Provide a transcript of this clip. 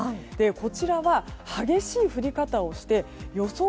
こちらは激しい降り方をして予想